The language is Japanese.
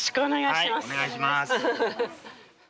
はいお願いします。